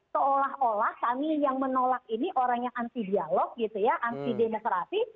seolah olah kami yang menolak ini orang yang anti dialog gitu ya anti demokrasi